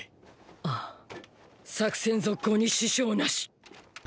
ああ作戦続行に支障なし！